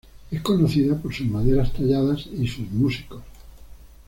Es conocida por sus maderas talladas y sus músicos.